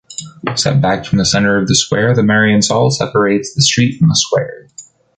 Set back from the center of the square, the Mariensäule separates the street from the square.